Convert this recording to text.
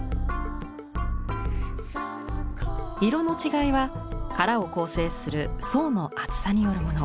色の違いは殻を構成する層の厚さによるもの。